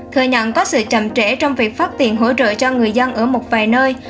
thừa nhận có sự chậm trễ trong việc phát tiền hỗ trợ cho người dân ở một vài nơi